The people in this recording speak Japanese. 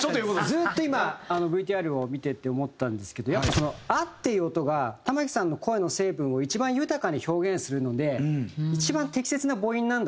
ずっと今ＶＴＲを見てて思ったんですけどやっぱ「あ」っていう音が玉置さんの声の成分を一番豊かに表現するので一番適切な母音なんだなと思って。